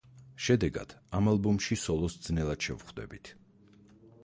შედეგად ამ ალბომში სოლოს ძნელად შევხვდებით.